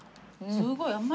すごい。